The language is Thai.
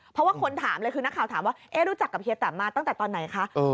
เพราะว่าคนถามเลยคือนักข่าวถามว่าเอ๊ะรู้จักกับเฮียแตมมาตั้งแต่ตอนไหนคะ